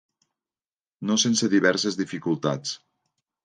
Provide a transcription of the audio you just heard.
No sense diverses dificultats.